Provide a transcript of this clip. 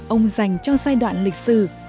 ông dành cho giai đoạn lịch sử